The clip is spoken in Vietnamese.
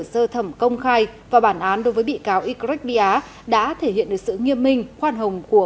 sơ thẩm công khai và bản án đối với bị cáo ycret bia đã thể hiện được sự nghiêm minh khoan hồng của